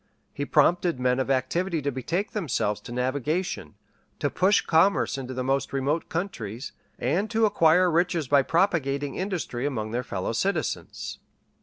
[] He prompted men of activity to betake themselves to navigation, to push commerce into the most remote countries, and to acquire riches by propagating industry among their fellow citizens.